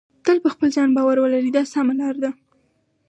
تل په خپل ځان باور ولرئ دا سمه لار ده.